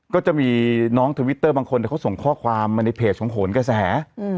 ก็จะมีน้องทวิตเตอร์บางคนเขาส่งข้อความมาในเพจของโหนกระแส